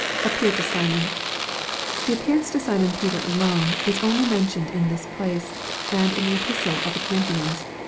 [Appeared to Simon^ This appearance to Simon Peter alone is only mentioned n this place, and in the Epistle to the Corin thians.